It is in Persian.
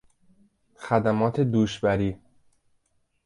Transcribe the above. خدمات دوش بری